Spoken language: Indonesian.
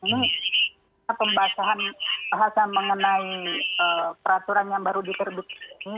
ini pembahasan mengenai peraturan yang baru diterbit ini